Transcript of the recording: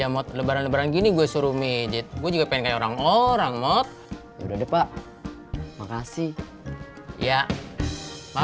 ya mod lebaran lebaran gini gue suruh medit gue juga pengen orang orang mod udah pak makasih ya